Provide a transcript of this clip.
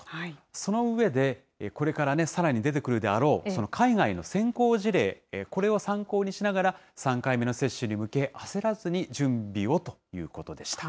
その上で、これからさらに出てくるであろう、海外の先行事例、これを参考にしながら、３回目の接種に向け、焦らずに準備をということでした。